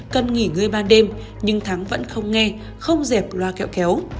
cần nghỉ ngơi ban đêm nhưng thắng vẫn không nghe không dẹp loa kẹo kéo